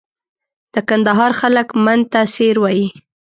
د کندهار خلک من ته سېر وایي.